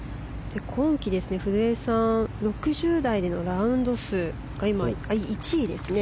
今季、古江さん６０台でのラウンド数が今１位ですね。